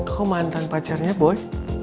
kok mantan pacarnya boy